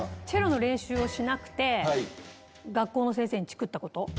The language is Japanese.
チェロの練習をしなくて、学校の先生にチクったこと？